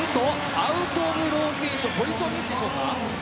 アウトオブローテーションポジションミスでしょうか。